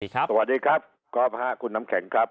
สวัสดีครับครอบคราว๕คุณน้ำแข็งครับ